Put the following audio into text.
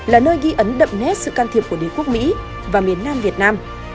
là nơi ghi ấn đậm nét sự can thiệp của đế quốc mỹ và miền nam việt nam